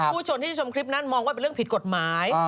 ผู้ชนที่ชมคลิปนั้นมองว่าเป็นเรื่องผิดกฎหมาย